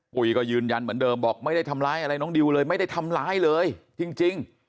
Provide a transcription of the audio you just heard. ปุ๋ยก็ยืนยันเหมือนเดิมบอกไม่ได้ทำร้ายอะไรน้องดิวเลยไม่ได้ทำร้ายเลยจริง